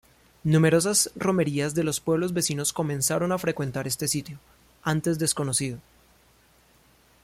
Numerosas romerías de los pueblos vecinos comenzaron a frecuentar este sitio, antes desconocido.